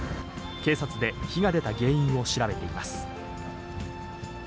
警察で火が出た原因を調べています。